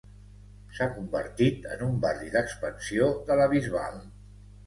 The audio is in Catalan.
S'ha convertit en un barri d’expansió de la Bisbal.